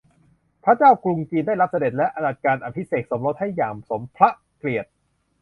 พระเจ้ากรุงจีนได้รับเสด็จและจัดการอภิเษกสมรสให้อย่างสมพระเกียรติ